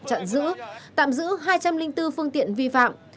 chặn giữ tạm giữ hai trăm linh bốn phương tiện vi phạm